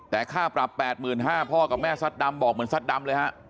แต่ค่าปรับ๘๕๐๐พ่อกับแม่ซัดดำบอกเหมือนซัดดำเลยฮะ